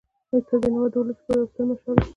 استاد بینوا د ولس لپاره یو ستر مشعل و.